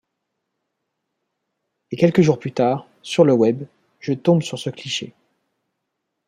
Et quelques jours plus tard, sur le web, je tombe sur ce cliché.